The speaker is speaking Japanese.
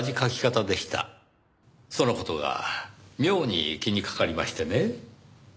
その事が妙に気にかかりましてね。